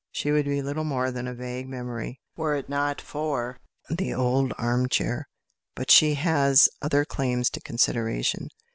She would be little more than a vague memory, were it not for "The Old Arm Chair"; but she has other claims to consideration.